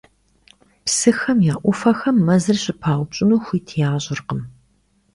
Псыхэм я Ӏуфэхэм мэзыр щыпаупщӀыну хуит ящӀыркъым.